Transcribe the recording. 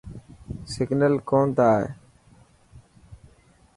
سگنل ڪون تا آئي.